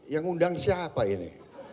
yang undang siapa ini